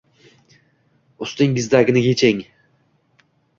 Ustingizdagini yeching.